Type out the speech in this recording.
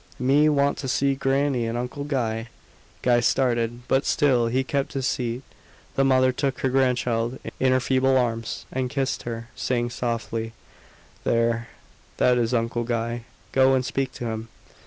"Me want to see Grannie and Uncle Guy." Guy started, but still he kept his seat. The mother took her grandchild in her feeble arms, and kissed her, saying softly, "There that is Uncle Guy. Go and speak to him."